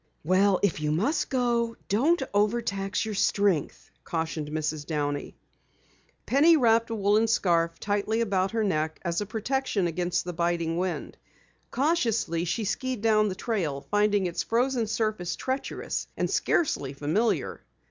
"Well, if you must go, don't overtax your strength," cautioned Mrs. Downey. Penny wrapped a woolen scarf tightly about her neck as a protection against the biting wind. Cautiously, she skied down the trail, finding its frozen surface treacherous, and scarcely familiar.